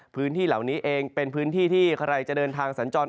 พื้นที่เหล่านี้เองเป็นพื้นที่ที่ใครจะเดินทางสัญจร